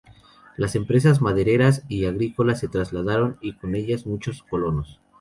Las empresas madereras y agrícolas se trasladaron y con ellas muchos colonos.